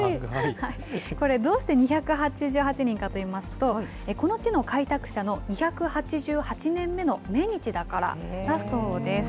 これ、どうして２８８人かといいますと、この地の開拓者の２８８年目の命日だからだそうです。